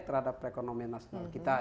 terhadap ekonomi nasional kita